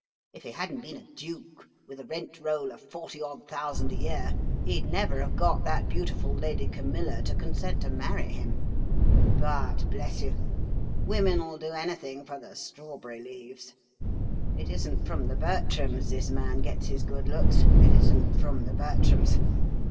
If he hadn't been a duke, with a rent roll of forty odd thousand a year, he'd never have got that beautiful Lady Camilla to consent to marry him. But, bless you, women 'll do anything for the strawberry leaves. It isn't from the Bertrams this man gets his good looks. It isn't from the Bertrams.